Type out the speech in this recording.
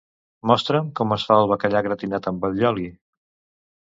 Mostra'm com es fa el bacallà gratinat amb allioli.